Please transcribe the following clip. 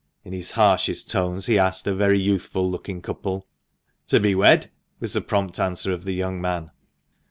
in his harshest tones he asked a very youthful looking couple. "To be wed," was the prompt answer of the young man.